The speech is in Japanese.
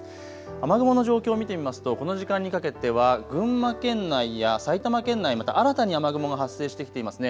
雨雲の状況を見てみますとこの時間にかけては群馬県内や埼玉県内また新たに雨雲が発生してきていますね。